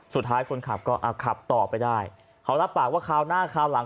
สุดท้ายคนขับก็ขับต่อไปได้เขารับปากว่าคราวหน้าคราวหลัง